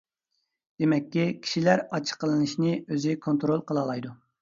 دېمەككى، كىشىلەر ئاچچىقلىنىشنى ئۆزى كونترول قىلالايدۇ.